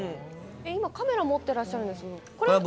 今、カメラ持ってらっしゃるのは。